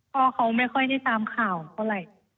พ่อเขาไม่ค่อยได้ตามข่าวเท่าไหร่